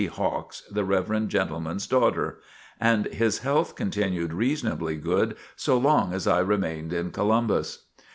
Hawks, the reverend gentleman's daughter. And his health continued reasonably good so long as I remained in Columbus.